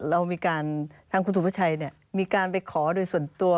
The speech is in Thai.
เรามีการทางคุณสุดผู้ชายเนี่ยมีการไปขอโดยส่วนตัว